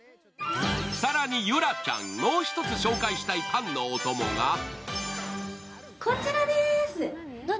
更にゆらちゃん、もう一つ紹介したいパンのお供が。